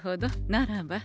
ならば。